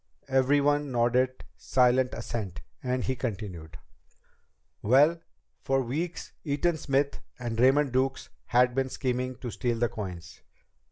Everyone nodded silent assent, and he continued: "Well, for weeks Eaton Smith and Raymond Duke had been scheming to steal the coins.